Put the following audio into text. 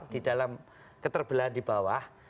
di dalam keterbelahan di bawah